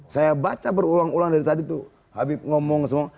saya baca berulang ulang dari tadi tuh habib ngomong semua